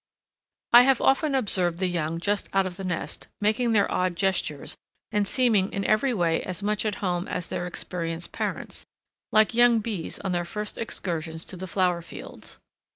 I have often observed the young just out of the nest making their odd gestures, and seeming in every way as much at home as their experienced parents, like young bees on their first excursions to the flower fields.